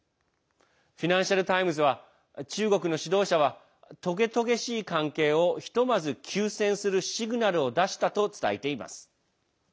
フィナンシャル・タイムズは中国の指導者はとげとげしい関係をひとまず休戦するシグナルを出したと伝えています。